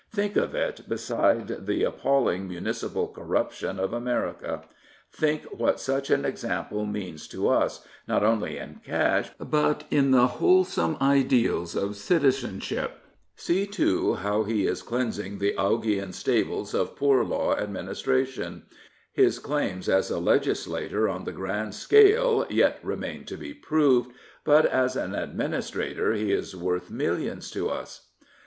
Think of it beside the appalling municipal corruption of America, Think what such an example means to us, not only in cash, but in the wholesome ideals of citizenship. See, too, how he is cleansing the Augean stables of Poor Law administra tion. His claims as a legislator on the grand scale yet remain to be proved; but as an administrator he is worth millions to us.